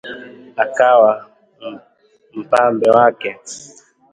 Akawa mpambe wake